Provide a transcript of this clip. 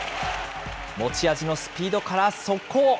持ち味のスピードから速攻。